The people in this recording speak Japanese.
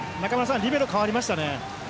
リベロ、代わりましたね。